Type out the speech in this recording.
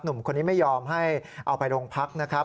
หนุ่มคนนี้ไม่ยอมให้เอาไปโรงพักนะครับ